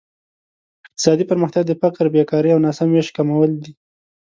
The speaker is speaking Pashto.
اقتصادي پرمختیا د فقر، بېکارۍ او ناسم ویش کمول دي.